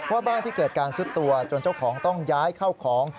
ว่าบ้านที่เกิดการซุดตัวจนเจ้าของต้องย้ายเข้าของ